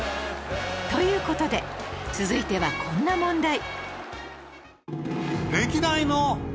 という事で続いてはこんな問題